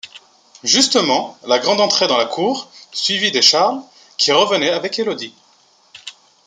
Justement, la Grande entrait dans la cour, suivie des Charles, qui revenaient avec Élodie.